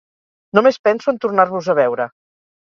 Només penso en tornar-vos a veure.